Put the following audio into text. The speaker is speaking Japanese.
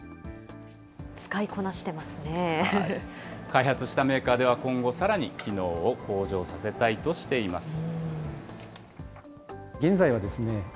開発したメーカーでは、今後さらに、機能を向上させたいとしています。